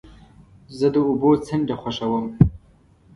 زه د اوبو څنډه خوښوم.